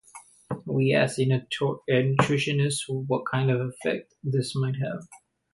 We asked a nutritionist what kind of effect this might have.